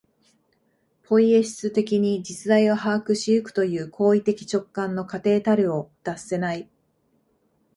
ポイエシス的に実在を把握し行くという行為的直観の過程たるを脱せない。